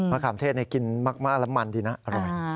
ขามเทศกินมากแล้วมันดีนะอร่อย